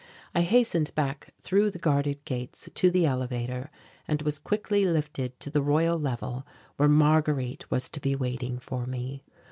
I hastened back through the guarded gates to the elevator and was quickly lifted to the Royal Level where Marguerite was to be waiting for me.